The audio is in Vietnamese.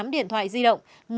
một mươi tám điện thoại di động